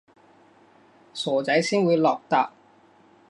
傻仔先會落疊